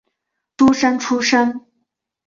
诸生出身。